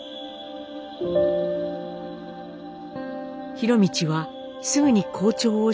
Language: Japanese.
博通はすぐに校長を退きます。